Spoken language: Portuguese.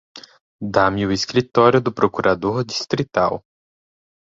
Dá-me o escritório do Procurador Distrital.